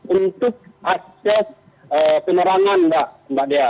untuk akses penerangan mbak dea